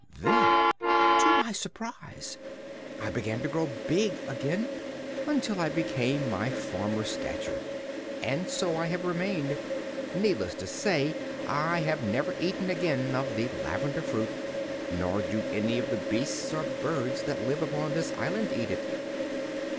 Then, to my surprise, I began to grow big again, until I became of my former stature, and so I have since remained. Needless to say, I have never eaten again of the lavender fruit, nor do any of the beasts or birds that live upon this island eat it."